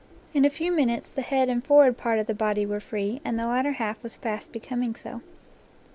In a few minutes the head and forward part of the body were free, and the latter half was fast becoming so.